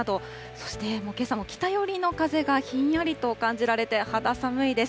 そしてけさも北寄りの風がひんやりと感じられて、肌寒いです。